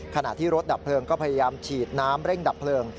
ขณะที่รถดับเพลิงก็พยายามฉีดน้ำเร่งดับเพลิง